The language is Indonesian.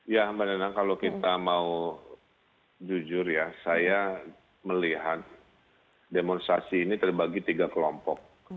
ya mbak nenang kalau kita mau jujur ya saya melihat demonstrasi ini terbagi tiga kelompok